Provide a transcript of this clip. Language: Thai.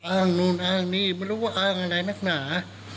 อ้างนู่นอ้างนี่ไม่รู้ว่าอ้างอะไรนักหนา